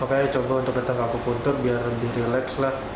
makanya coba untuk datang ke aku puntur biar lebih relax lah